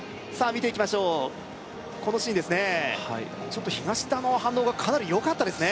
見ていきましょうこのシーンですねちょっと東田の反応がかなりよかったですね